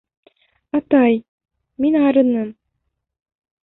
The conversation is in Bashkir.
Атай, мин арыным.